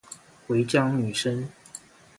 違章女生